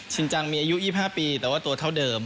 จริงจังมีอายุ๒๕ปีแต่ว่าตัวเท่าเดิม